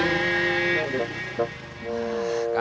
ini gimana urusannya